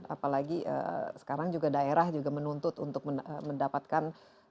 apalagi sekarang juga daerah juga menuntut untuk mendapatkan